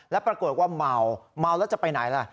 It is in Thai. แล้วปรากฏว่าเมาเมาแล้วจะไปไหนล่ะ